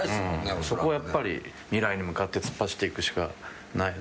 そこはやっぱり未来に向かって突っ走っていくしかないよね。